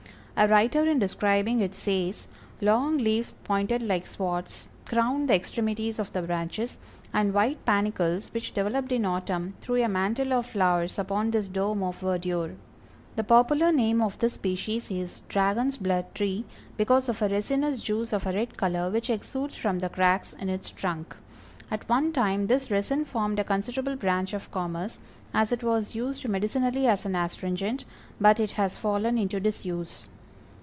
A writer in describing it says: "Long leaves pointed like swords, crowned the extremities of the branches, and white panicles, which developed in autumn, threw a mantle of flowers upon this dome of verdure." The popular name of this species is Dragon's blood Tree, because of a resinous juice of a red color which exudes from the cracks in its trunk. At one time this resin formed a considerable branch of commerce, as it was used medicinally as an astringent, but it has fallen into disuse.